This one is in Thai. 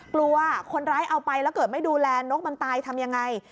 กลัวคนร้ายเอาไปแล้วเกิดไม่ดูแลนกมันตายทำยังไง